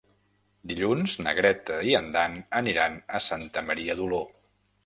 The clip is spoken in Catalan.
Dilluns na Greta i en Dan aniran a Santa Maria d'Oló.